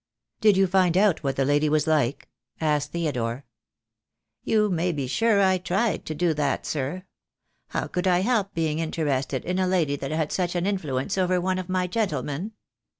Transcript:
"Did you find out what the lady was like?" asked Theodore. "You may be sure I tried to do that, sir. How could I help being interested in a lady that had such an in fluence over one of my gentlemen?